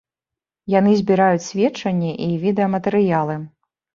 Яны збіраюць сведчанні і відэаматэрыялы.